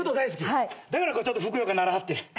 だからこうちょっとふくよかならはって。